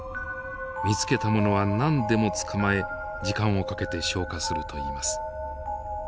見つけたものは何でも捕まえ時間をかけて消化するといいます。